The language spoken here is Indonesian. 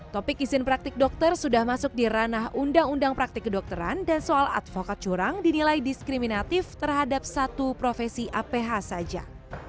topik izin praktik dokter sudah masuk di ranah undang undang praktik kedokteran dan soal advokat curang dinilai diskriminatif terhadap satu profesi aph saja